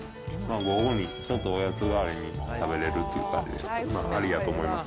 午後に、ちょっとおやつ代わりに食べれるっていう感じ、まあ、ありやと思います。